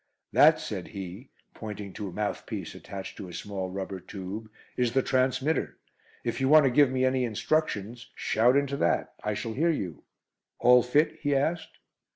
"That," said he, pointing to a mouthpiece attached to a small rubber tube, "is the transmitter. If you want to give me any instructions shout into that. I shall hear you. All fit?" he asked.